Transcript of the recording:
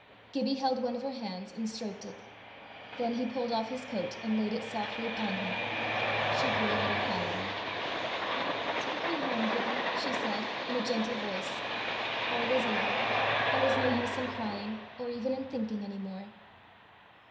Gibbie held one of her hands and stroked it. Then he pulled off his coat and laid it softly upon her. She grew a little quieter. "Take me home, Gibbie," she said, in a gentle voice. All was over; there was no use in crying or even in thinking any more.